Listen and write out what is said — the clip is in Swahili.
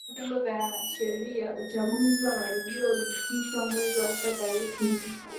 mbali kupitia vyombo vya sheriaUchaguzi wa marudio ukaitishwa mwezi wa sita tarehe ishirini